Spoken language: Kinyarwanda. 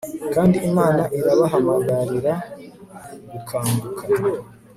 kandi Imana irabahamagarira gukanguka